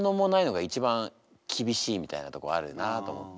みたいなとこあるよなと思って。